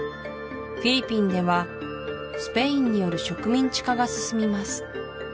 フィリピンではスペインによる植民地化が進みます